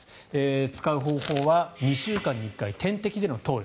使う方法は２週間に１回点滴での投与。